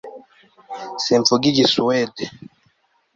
simvuga igisuwede